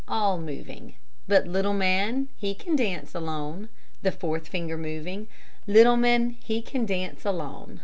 (all moving But Littleman, he can dance alone, (the fourth finger moving Littleman, he can dance alone.